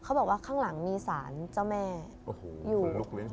เขาบอกว่าข้างหลังมีสารเจ้าแม่อยู่